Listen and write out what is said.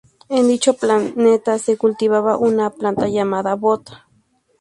En dicho planeta se cultivaba una planta llamada bota.